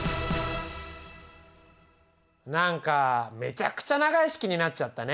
何かめちゃくちゃ長い式になっちゃったね。